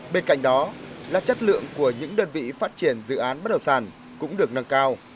bên cạnh đó là chất lượng của những đơn vị phát triển dự án bất động sản cũng được nâng cao